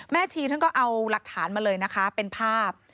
ชีท่านก็เอาหลักฐานมาเลยนะคะเป็นภาพ